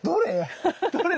どれ？